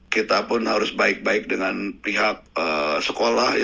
kita pun harus baik baik dengan pihak sekolah